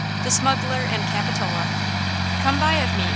THE SMUGGLER AND CAPITOLA. Come buy of me!